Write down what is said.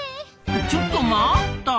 ちょっと待った！